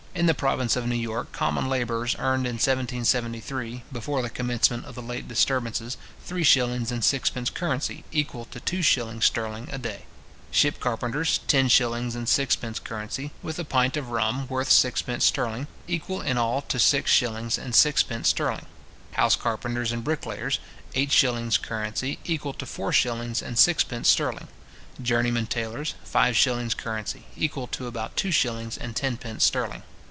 In the province of New York, common labourers earned in 1773, before the commencement of the late disturbances, three shillings and sixpence currency, equal to two shillings sterling, a day; ship carpenters, ten shillings and sixpence currency, with a pint of rum, worth sixpence sterling, equal in all to six shillings and sixpence sterling; house carpenters and bricklayers, eight shillings currency, equal to four shillings and sixpence sterling; journeymen tailors, five shillings currency, equal to about two shillings and tenpence sterling.